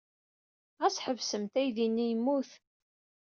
Ɣas ḥesbemt aydi-nni yemmut.